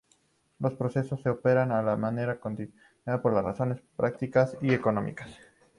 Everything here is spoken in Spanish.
Los procesos se operan de manera continua por razones prácticas y económicas.